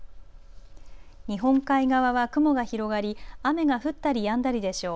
日本海側は雲が広がり雨が降ったりやんだりでしょう。